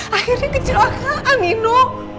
akhirnya kecelakaan nino